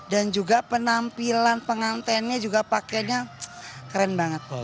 dan juga penampilan pengantinnya juga pakainya keren banget